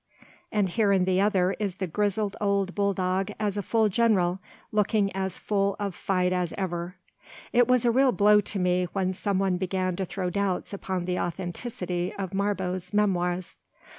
And here in the other is the grizzled old bull dog as a full general, looking as full of fight as ever. It was a real blow to me when some one began to throw doubts upon the authenticity of Marbot's memoirs.